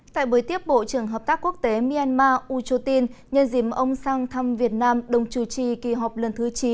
tại buổi tiếp bộ trưởng hợp tác quốc tế myanmar u chú tin nhân dìm ông sang thăm việt nam đồng chủ trì kỳ họp lần thứ chín